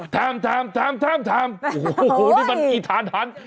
แท็มโอ้โหนี่มันอีทาคัน